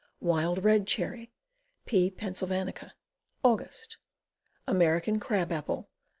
Wild Red Cherry. P. Pennsylvanica. Aug. American Crab Apple.